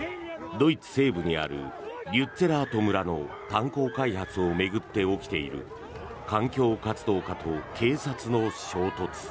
ドイツ西部にあるリュッツェラート村の炭鉱開発を巡って起きている環境活動家と警察の衝突。